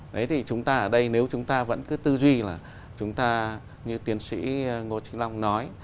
đấy thì chúng ta ở đây nếu chúng ta vẫn cứ tư duy là chúng ta như tiến sĩ ngô trí long nói